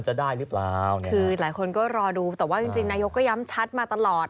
จะได้หรือเปล่าเนี่ยคือหลายคนก็รอดูแต่ว่าจริงจริงนายกก็ย้ำชัดมาตลอด